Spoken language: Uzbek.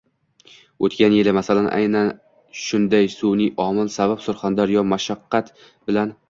O‘tgan yili, masalan, aynan shunday sun’iy omil sabab Surxondaryoda mashaqqat bilan